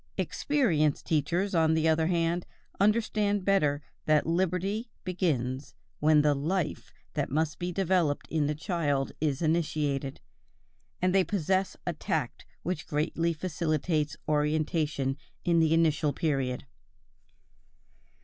Experienced teachers, on the other hand, understand better that liberty begins when the life that must be developed in the child is initiated, and they possess a tact which greatly facilitates orientation in the initial period.